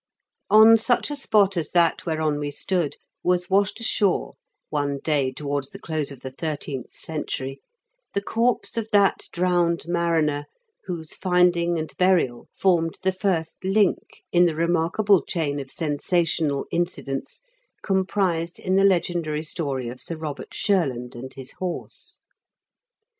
On such a spot as that whereon we stood was washed ashore, one day towards the close of the thirteenth century, the corpse of that drowned mariner whose finding and burial formed the first link in the remarkable chain of sensational incidents comprised in the legendary story of Sir Eobert Shurland and his horse.